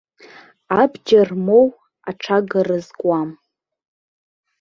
Абџьар моу аҽага рызкуам.